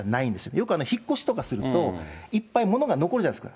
よく引っ越しとかすると、いっぱい物が残るじゃないですか。